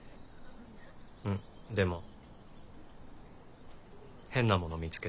うんでも変なもの見つけた。